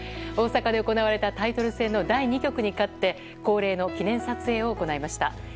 大阪で行われたタイトル戦の第２局に勝って恒例の記念撮影を行いました。